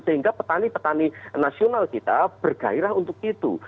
sehingga petani petani nasional kita bergaya untuk itu